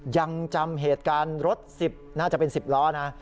ยังจำเหตุการณ์รถ๑๐น่าจะเป็น๑๐ล้อนะ